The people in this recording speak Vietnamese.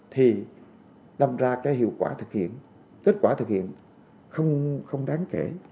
thì đâm ra cái hiệu quả thực hiện kết quả thực hiện không đáng kể